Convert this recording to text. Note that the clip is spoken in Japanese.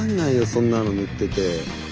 そんなの塗ってて。